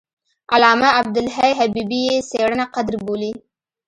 علامه عبدالحي حبیبي یې څېړنه قدر بولي.